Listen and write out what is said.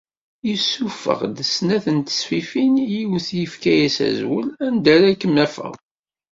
Yessufeɣ-d snat n tesfifin, yiwet yefka-as azwel “Anda ara kem-afeɣ”.